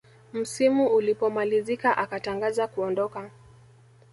msimu ulipomalizika akatangaza kuondoka